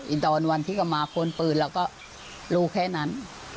ตอนวันที่ก็มาค้นปืนเราก็รู้แค่นั้น